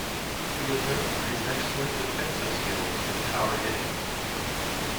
He was known for his excellent defensive skills and power hitting.